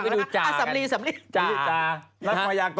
หรือจ่า